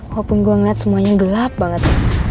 walaupun gue ngeliat semuanya gelap banget